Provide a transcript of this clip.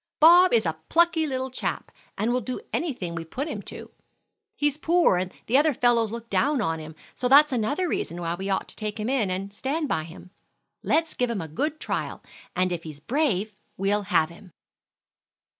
"Bob is a plucky little chap, and will do anything we put him to. He's poor and the other fellows look down on him, so that's another reason why we ought to take him in and stand by him. Let's give him a good trial, and if he's brave, we'll have him."